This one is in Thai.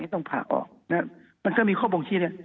ต้องผ่าออกนะมันก็มีข้อบ่งชี้เนี่ย